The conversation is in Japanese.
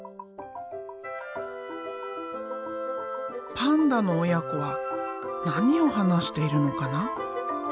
パンダの親子は何を話しているのかな？